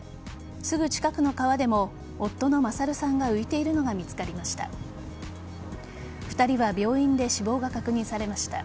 すぐ近くの川でも夫の勝さんが浮いているのが見つかりました。